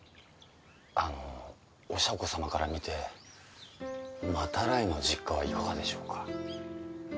あのおしゃ子様から見て真鱈井の実家はいかがでしょうか？